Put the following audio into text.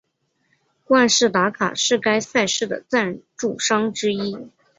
万事达卡是该赛事的赞助商之一。